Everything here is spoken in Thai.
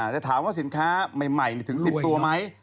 แต่ถามว่าสินค้าใหม่ถึง๑๐ตัวไหม